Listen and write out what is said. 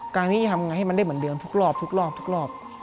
การที่จะทำไงให้มันได้เหมือนเดิมทุกรอบทุกรอบทุกรอบ